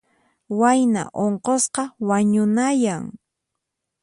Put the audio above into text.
Wayna unqusqa wañunayan.